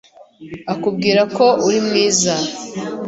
akubwira ko uri mwiza